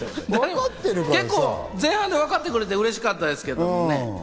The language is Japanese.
結構前半でわかってくれてうれしかったですけど。